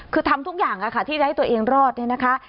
คือทำทุกอย่างที่จะให้ตัวเองรอดนะคะ